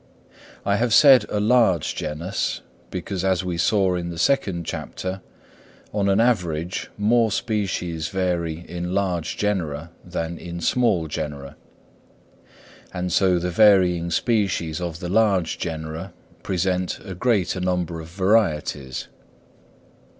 I have said a large genus, because as we saw in the second chapter, on an average more species vary in large genera than in small genera; and the varying species of the large genera present a greater number of varieties.